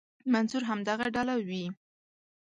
منظور همدغه ډله وي.